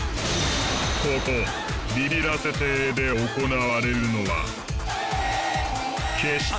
ここビビらせ邸で行われるのは。